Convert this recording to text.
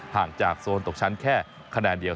ห่างจากโซนตกชั้นแค่คะแนนเดียว